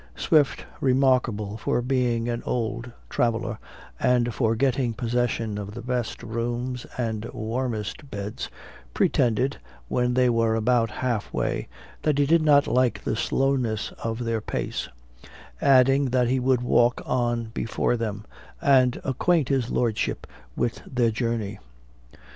Swift, remarkable for being an old traveller, and for getting possession of the best rooms and warmest beds, pretended, when they were about half way, that he did not like the slowness of their pace; adding, that he would walk on before them, and acquaint his lordship with their journey.